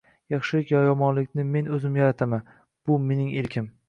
Yaxshilik yo yomonlikni men o’zim yarataman, bu – mening erkim.